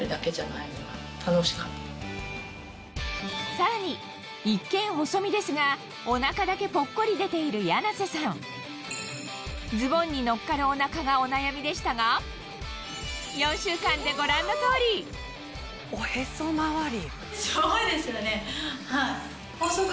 さらに一見細身ですがお腹だけポッコリ出ているヤナセさんズボンにのっかるお腹がお悩みでしたが４週間でご覧の通りおへそ回り。